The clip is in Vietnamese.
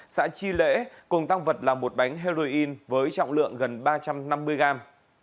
xã chi lễ cùng tăng vật là một bánh heroin với trọng lượng gần ba trăm năm mươi gram